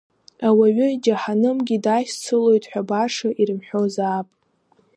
Ауаҩы џьаҳанымгьы дашьцылоит ҳәа баша ирымҳәозаап…